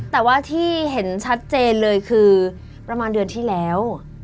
แต่ว่าที่เห็นชัดเจนเลยคือประมาณเดือนที่แล้ว